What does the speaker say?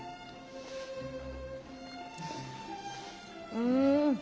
うん。